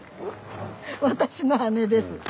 私の姉です。